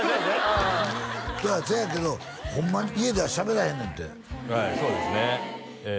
ああせやけどホンマに家ではしゃべらへんねんってはいそうですねええ